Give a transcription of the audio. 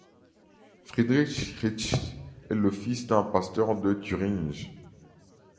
Friedrich Ritschl est le fils d'un pasteur de Thuringe.